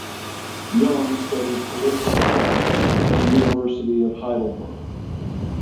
Jung studied political science at the University of Heidelberg.